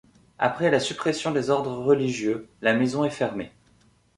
Après la suppression des ordres religieux, la maison est fermée.